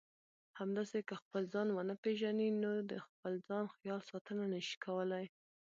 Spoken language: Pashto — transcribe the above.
همداسې که خپل ځان ونه پېژنئ نو د خپل ځان خیال ساتنه نشئ کولای.